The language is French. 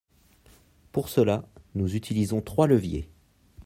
Pour cela, nous utilisons trois leviers.